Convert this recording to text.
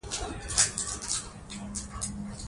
ماشوم له نوي چاپېریال سره مثبت لیدلوری پیدا کړي.